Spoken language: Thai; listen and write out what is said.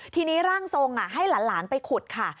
ทีนี้ร่างทรงให้หลานไปขุดค่ะ